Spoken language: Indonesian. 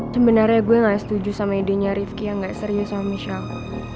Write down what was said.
sebenarnya gua nggak setuju sama idenya rifki yang nggak serius sama michelle